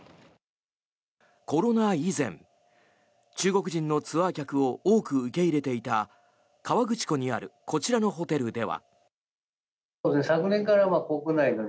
コロナ以前、中国人のツアー客を多く受け入れていた河口湖にあるこちらのホテルでは。